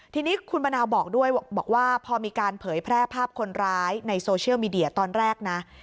ทีนี้คุณมะนาวบอกด้วยบอกว่าพอมีการเผยแพร่ภาพคนร้ายในโซเชียลมีเดียตอนแรกนะ